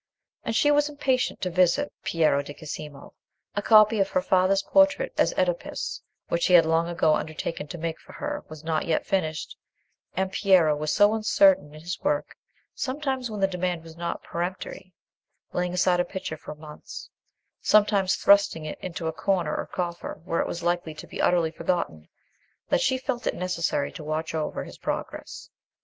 And she was impatient to visit Piero di Cosimo. A copy of her father's portrait as Oedipus, which he had long ago undertaken to make for her, was not yet finished; and Piero was so uncertain in his work—sometimes, when the demand was not peremptory, laying aside a picture for months; sometimes thrusting it into a corner or coffer, where it was likely to be utterly forgotten—that she felt it necessary to watch over his progress.